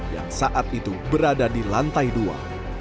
yang saat itu berada di lantai dua